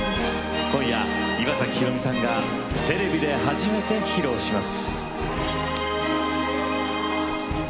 今夜、岩崎宏美さんがテレビで初めて披露します。